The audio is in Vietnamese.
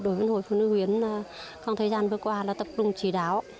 đội huấn hội phụ nữ huyến trong thời gian vừa qua tập trung chỉ đáo